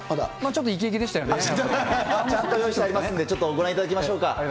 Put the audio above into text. ちゃんと用意してありますんで、ご覧いただきましょうか。